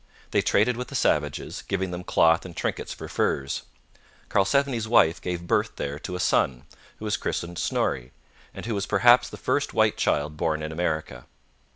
They traded with the savages, giving them cloth and trinkets for furs. Karlsevne's wife gave birth there to a son, who was christened Snorre, and who was perhaps the first white child born in America.